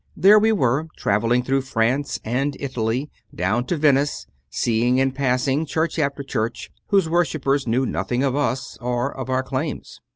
There we were, travelling through France and Italy down to Venice, seeing in passing church after church whose worshippers knew nothing of us, or of our claims.